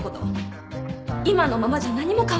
今のままじゃ何も変わらないよ